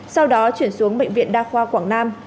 sau đó chuyển xuống bệnh viện đa khoa quảng nam